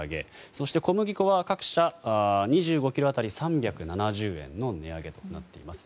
そして小麦粉は各社２５ｋｇ当たり３７０円の値上げとなっています。